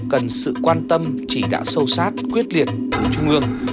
cần sự quan tâm chỉ đạo sâu sát quyết liệt từ trung ương